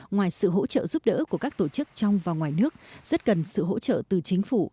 ngoài sự hỗ trợ giúp đỡ của các tổ chức trong và ngoài nước rất cần sự hỗ trợ từ chính phủ